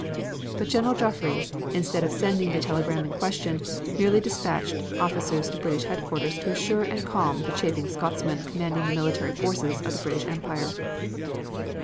But General Joffre, instead of sending the telegram in question, merely dispatched officers to British Headquarters to assure and calm the chafing Scotsman commanding the military forces of the British Empire.